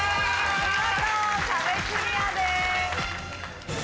見事壁クリアです。